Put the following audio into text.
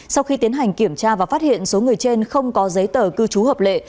sau khi tiến hành kiểm tra và phát hiện số người trên không có giấy tờ cư trú hợp lệ